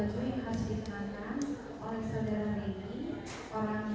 estimasi budget yang akan dijuangkan mereka